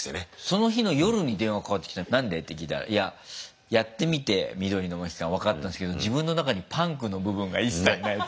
その日の夜に電話かかってきて何で？って聞いたらいややってみて緑のモヒカン分かったんですけど自分の中にパンクの部分が一切ない。